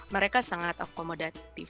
mereka sangat akomodatif